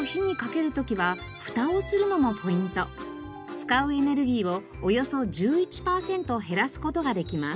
使うエネルギーをおよそ１１パーセント減らす事ができます。